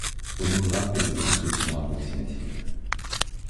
homographes et de transcriptions approximatives.